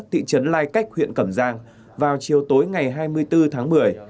thị trấn lai cách huyện cẩm giang vào chiều tối ngày hai mươi bốn tháng một mươi